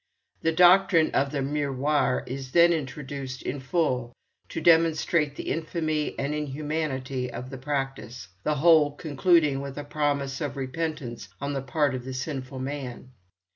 The doctrine of the 'Miroir' is then introduced in full to demonstrate the infamy and inhumanity of the practice, the whole concluding with a promise of repentance on the part of the sinful man.